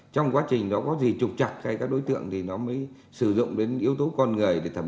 trong quá trình nó có gì trục chặt hay các đối tượng thì nó mới sử dụng đến yếu tố con người để thẩm